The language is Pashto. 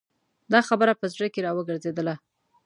دا خبره په زړه کې را وګرځېدله.